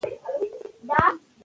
موږ په خپله ژبه کیسې لیکو.